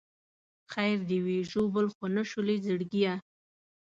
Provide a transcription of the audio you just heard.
خیر دې وي ژوبل خو نه شولې زړګیه.